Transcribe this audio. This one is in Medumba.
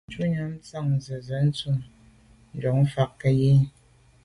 Shutnyàm tshan nzenze ntùm njon dù’ fa fèn ke yen i.